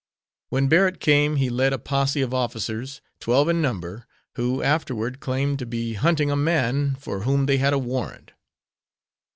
When Barrett came he led a posse of officers, twelve in number, who afterward claimed to be hunting a man for whom they had a warrant.